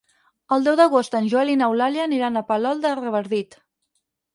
El deu d'agost en Joel i n'Eulàlia aniran a Palol de Revardit.